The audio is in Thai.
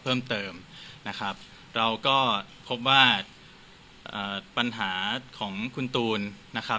เพิ่มเติมนะครับเราก็พบว่าเอ่อปัญหาของคุณตูนนะครับ